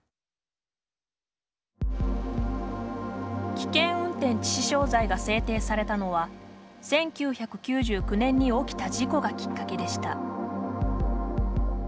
危険運転致死傷罪が制定されたのは１９９９年に起きた事故がきっかけでした。